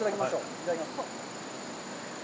いただきます。